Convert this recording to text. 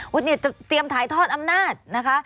วันนี้เตรียมถ่ายทอดอำนาจนะคะ